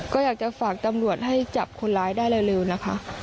ก็อยากจะฝากตำรวจให้จับคนร้ายได้เร็วนะคะ